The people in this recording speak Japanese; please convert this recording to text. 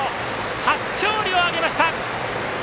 初勝利を挙げました！